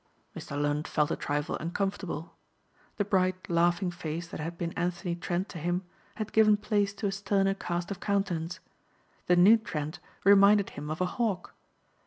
Mr. Lund felt a trifle uncomfortable. The bright laughing face that had been Anthony Trent to him had given place to a sterner cast of countenance. The new Trent reminded him of a hawk.